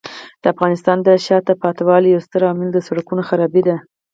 د افغانستان د شاته پاتې والي یو ستر عامل د سړکونو خرابي دی.